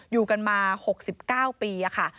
อยู่กันมา๖๙ปีค่ะ